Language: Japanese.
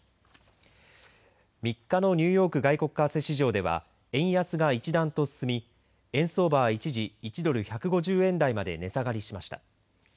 ３日のニューヨーク外国為替市場では円安が一段と進み円相場は一時１ドル１５０円台まで値下がりしました。